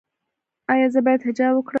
ایا زه باید حجاب وکړم؟